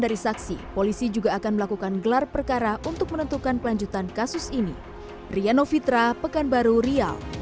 dari saksi polisi juga akan melakukan gelar perkara untuk menentukan kelanjutan kasus ini